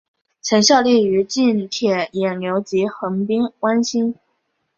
曾效力于近铁野牛及横滨湾星。